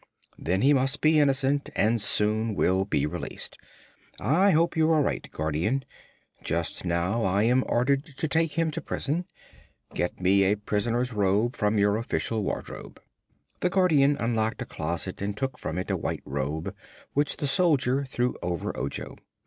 "Then he must be innocent, and soon will be released. I hope you are right, Guardian. Just now I am ordered to take him to prison. Get me a prisoner's robe from your Official Wardrobe." The Guardian unlocked a closet and took from it a white robe, which the soldier threw over Ojo.